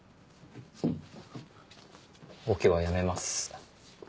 オケは辞めます。